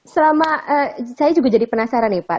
selama saya juga jadi penasaran nih pak